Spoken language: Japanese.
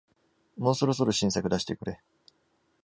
もうそろそろ新作出してくれ